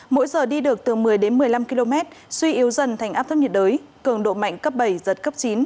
mỗi giờ đi được từ một mươi đến một mươi năm km suy yếu dần thành áp thấp nhiệt đới cường độ mạnh cấp bảy giật cấp chín